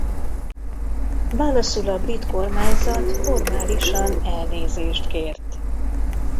Válaszul a brit kormányzat formálisan elnézést kért.